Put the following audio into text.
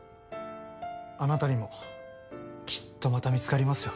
あなたにもきっとまた見つかりますよ。